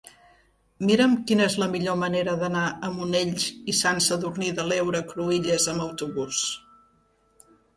Mira'm quina és la millor manera d'anar a Monells i Sant Sadurní de l'Heura Cruïlles amb autobús.